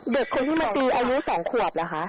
เด็กคนที่มาตีอายุ๒ขวบเหรอคะ